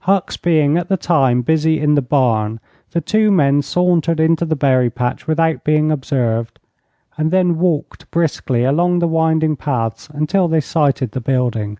Hucks being at the time busy in the barn, the two men sauntered into the berry patch without being observed, and then walked briskly along the winding paths until they sighted the building.